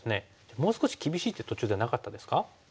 もう少し厳しい手途中でなかったですか？